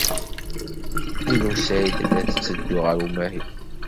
Lila u Saɛid tella tetteddu ɣer umahil.